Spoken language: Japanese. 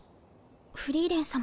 フリーレン様